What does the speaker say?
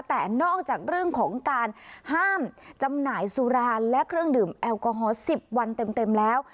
แต่นอกจากเรื่องของการห้ามจำหน่ายสุราและเครื่องดื่มแอลกอฮอล๑๐วันเต็มแล้ว